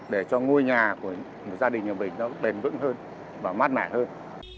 để cho ngôi nhà của gia đình nhà mình nó bền vững hơn và mát mẻ hơn